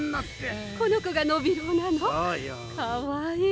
かわいい！